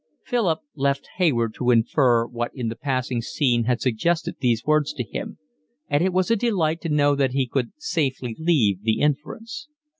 Philip left Hayward to infer what in the passing scene had suggested these words to him, and it was a delight to know that he could safely leave the inference.